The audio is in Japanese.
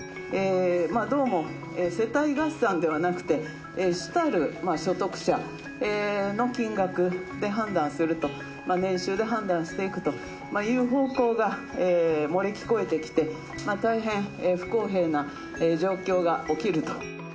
どうも世帯合算ではなくて、主たる所得者の金額で判断すると、年収で判断していくという方向が漏れ聞こえてきて、大変不公平な状況が起きると。